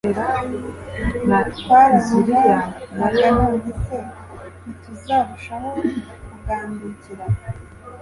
twarabubahaga none se ntituzarushaho kugandukira